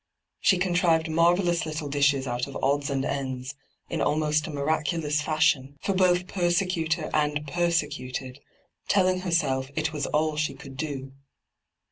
She con trived marvellous little dishes out of odds and ends, in almost a miraculous fashion, for both persecutor and persecuted, telling herself it was all she could do.